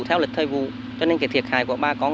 theo lịch thời bồ cho nên thiệt hại của bà con